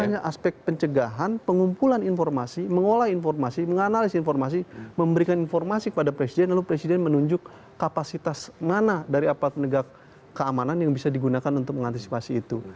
hanya aspek pencegahan pengumpulan informasi mengolah informasi menganalis informasi memberikan informasi kepada presiden lalu presiden menunjuk kapasitas mana dari aparat penegak keamanan yang bisa digunakan untuk mengantisipasi itu